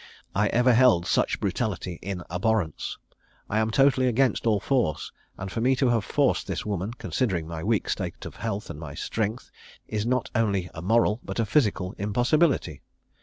I ever held such brutality in abhorrence. I am totally against all force; and for me to have forced this woman, considering my weak state of health, and my strength, is not only a moral, but a physical impossibility.